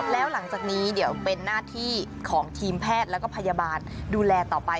แล้วหลังจากนี้เดี๋ยวเป็นหน้าที่ของทีมแพทย์แล้วก็พยาบาลดูแลต่อไป